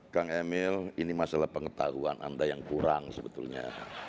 kang emil ini masalah pengetahuan anda yang kurang sebetulnya